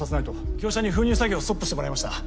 業者に封入作業ストップしてもらいました。